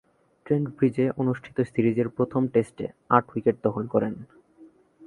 Trent ব্রিজে অনুষ্ঠিত সিরিজের প্রথম টেস্টে আট উইকেট দখল করেন।